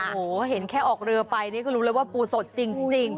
โอ้โหเห็นแค่ออกเรือไปนี่ก็รู้เลยว่าปูสดจริง